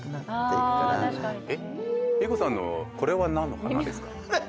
ＩＫＫＯさんのこれは何の花ですか？